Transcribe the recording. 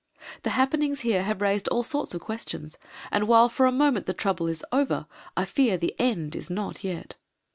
The happenings here have raised all sorts of questions, and while for the moment the trouble is over, I fear the end is not yet.